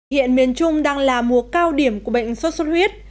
hiện miền trung đang là mùa cao điểm của bệnh sốt xuất huyết